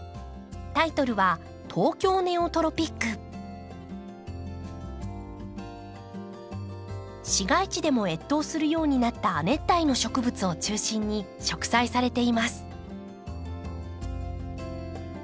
タイトルは市街地でも越冬するようになった亜熱帯の植物を中心に植栽されています。